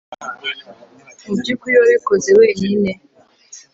Mubyukuri wabikoze wenyine